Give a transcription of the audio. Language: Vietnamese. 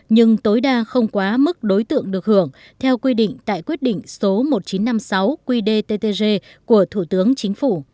nhưng tối đa không quá mức đối tượng được hưởng theo quy định tại quyết định số một nghìn chín trăm năm mươi sáu qdttg của thủ tướng chính phủ